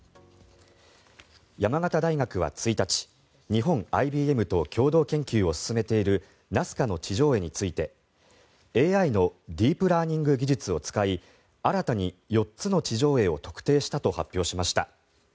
山形大学は１日日本ＩＢＭと共同研究を進めているナスカの地上絵についてＡＩのディープラーニング技術を使い新たに４つの地上絵を特定したと発表しました。